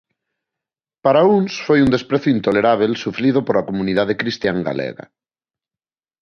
Para uns foi un desprezo intolerábel sufrido pola comunidade cristián galega.